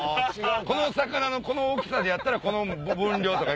この魚のこの大きさでやったらこの分量！とか。